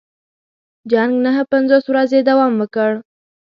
جنګ نهه پنځوس ورځې دوام وکړ.